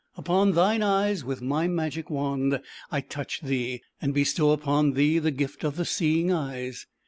on thine eyes, with my magic wand I touch thee and bestow upon thee th r r 1 Iwl JTi gift of the Seeing Eyes.